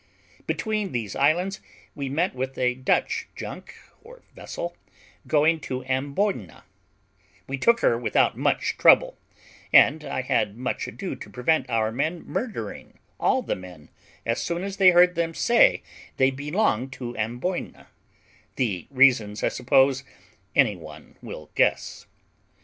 Between these islands we met with a Dutch junk, or vessel, going to Amboyna: we took her without much trouble, and I had much ado to prevent our men murdering all the men, as soon as they heard them say they belonged to Amboyna: the reasons I suppose any one will guess.